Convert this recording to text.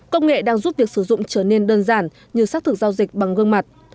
công nghệ đang giúp việc sử dụng trở nên đơn giản như xác thực giao dịch bằng gương mặt